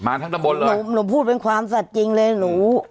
ทั้งตำบลเลยหนูหนูพูดเป็นความสัตว์จริงเลยหนู